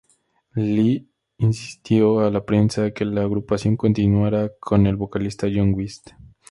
Lee insistió a la prensa que la agrupación continuaría con el vocalista John West.